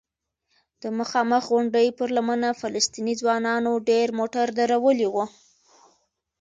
د مخامخ غونډۍ پر لمنه فلسطینی ځوانانو ډېر موټر درولي وو.